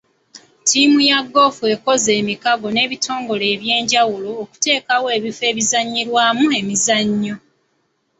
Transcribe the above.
Ttiimu ya goofu ekoze emikago n'ebitongole eby'enjawulo okuteekawo ebifo ebizannyirwamu emizannyo.